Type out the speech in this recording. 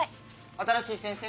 新しい先生？